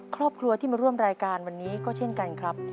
ครอบครัวที่มาร่วมรายการวันนี้ก็เช่นกันครับ